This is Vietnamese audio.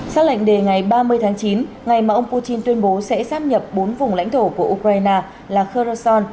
xác lệnh đề ngày ba mươi tháng chín ngày mà ông putin tuyên bố sẽ sắp nhập bốn vùng lãnh thổ của ukraine là kherosan